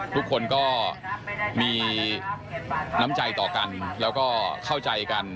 ทุกคนก็มีน้ำใจต่อกันแล้วก็เข้าใจกัน